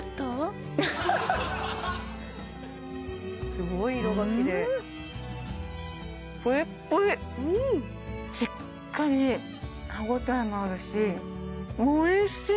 すごい色がきれいうんしっかり歯応えもあるしおいしい！